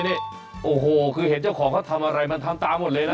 นี่โอ้โหคือเห็นเจ้าของเขาทำอะไรมันทำตามหมดเลยนะ